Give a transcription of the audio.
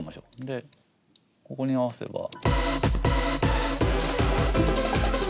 でここに合わせば。